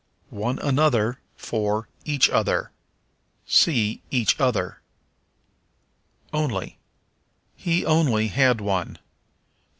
One Another for Each Other. See Each Other. Only. "He only had one."